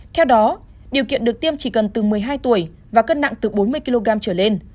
theo đó điều kiện được tiêm chỉ cần từ một mươi hai tuổi và cân nặng từ bốn mươi kg trở lên